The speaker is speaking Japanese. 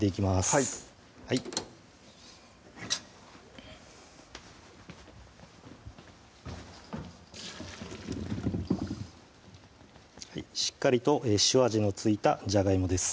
はいはいしっかりと塩味の付いたじゃがいもです